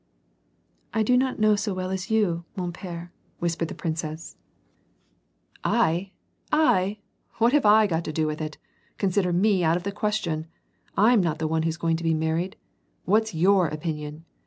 " I do not know so well as you, man pere,^^ whispered the princess. WAR AND PEACE. 277 " I ? I ? what have I to do with it ? Consider me out of the questiou. Fm not the one who is going to be married. What's t/our opinion